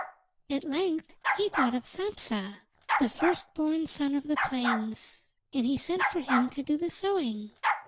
At length he thought of Sampsa, the first born son of the plains, and he sent for him to do the sowing.